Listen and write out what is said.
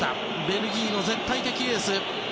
ベルギーの絶対的エース。